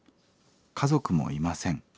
家族もいません。